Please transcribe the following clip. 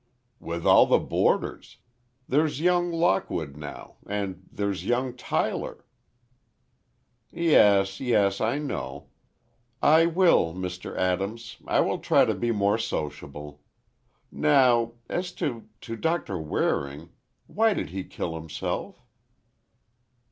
"With all the boarders. There's young Lockwood now—and there's young Tyler—" "Yes, yes, I know. I will—Mr. Adams—I will try to be more sociable. Now—as to—to Doctor Waring—why did he kill himself?"